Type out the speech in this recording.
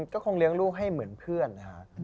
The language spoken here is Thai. ก็คงเลี้ยงลูกให้เหมือนเพื่อนนะฮะ